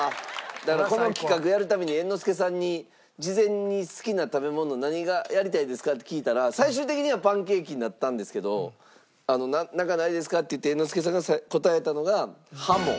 だからこの企画やるために猿之助さんに事前に「好きな食べ物何がやりたいですか？」って聞いたら最終的にはパンケーキになったんですけど「なんかないですか？」って言って猿之助さんが答えたのがハモ。